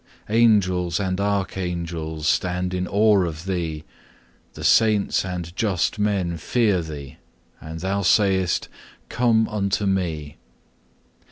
Angels and Archangels stand in awe of Thee, the Saints and just men fear Thee, and Thou sayest, Come unto Me!